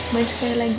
boleh sekali lagi gak